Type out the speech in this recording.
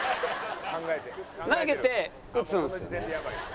投げて打つんですよね？